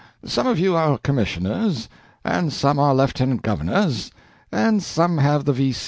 Some of you are commissioners, and some are lieutenant governors, and some have the V.